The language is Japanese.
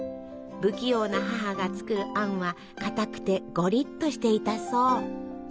不器用な母が作るあんはかたくてごりっとしていたそう。